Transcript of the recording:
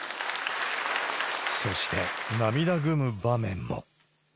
そして、涙ぐむ場面も。